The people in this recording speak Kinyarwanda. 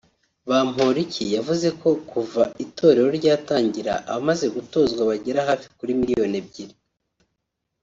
Bamporiki yavuze ko kuva itorero ryatangira abamaze gutozwa bagera hafi kuri miliyoni ebyiri